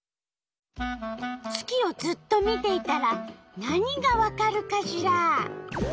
月をずっと見ていたら何がわかるかしら？